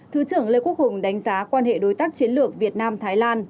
thứ trưởng lê quốc hùng đánh giá quan hệ đối tác chiến lược việt nam thái lan